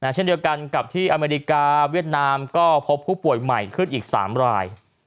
เช่นเดียวกันกับที่อเมริกาเวียดนามก็พบผู้ป่วยใหม่ขึ้นอีก๓ราย